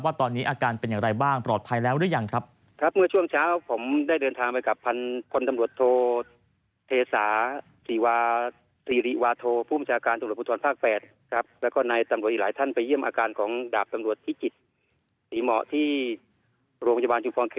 ว่าตอนนี้อาการเป็นอย่างไรบ้างปลอดภัยแล้วหรือยังครับ